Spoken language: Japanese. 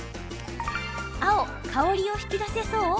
青・香りを引き出せそう？